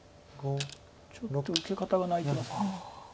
ちょっと受け方が泣いてます。